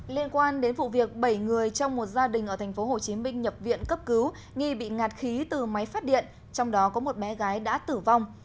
liên quan đến vụ việc bảy người trong một gia đình ở tp hcm nhập viện cấp cứu nghi bị ngạt khí từ máy phát điện trong đó có một bé gái đã tử vong